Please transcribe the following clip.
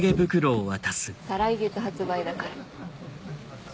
再来月発売だから。